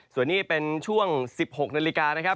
ส่วนนี้เป็นช่วง๑๖นาฬิกา